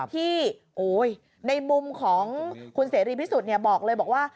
ที่ในมุมของคุณเสรีพิสุทธิ์บอกเลยบอกว่า